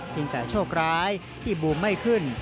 ถึงแต่โชคร้ายที่บูมให้ขึ้น